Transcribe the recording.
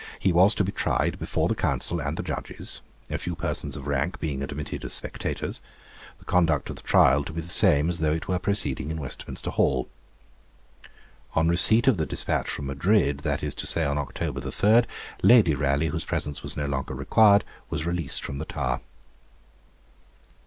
He was to be tried before the Council and the judges, a few persons of rank being admitted as spectators; the conduct of the trial to be the same as though it were proceeding in Westminster Hall. On receipt of the despatch from Madrid, that is to say on October 3, Lady Raleigh, whose presence was no longer required, was released from the Tower.